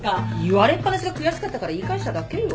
言われっ放しが悔しかったから言い返しただけよ。